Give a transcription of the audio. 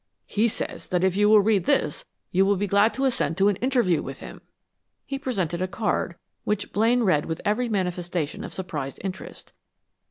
He says that if you will read this, you will be glad to assent to an interview with him." He presented a card, which Blaine read with every manifestation of surprised interest.